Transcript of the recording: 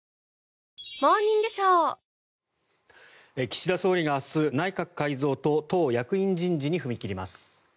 岸田総理が明日内閣改造と党役員人事に踏み切ります。